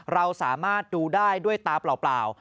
เราสามารถดูได้ด้วยตาเปล่า